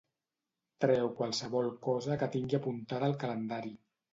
Treu qualsevol cosa que tingui apuntada al calendari.